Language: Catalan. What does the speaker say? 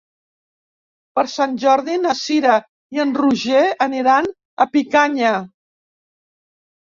Per Sant Jordi na Cira i en Roger aniran a Picanya.